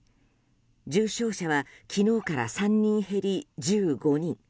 重症者は、昨日から３人減り１５人。